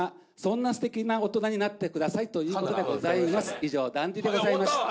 以上ダンディでございました。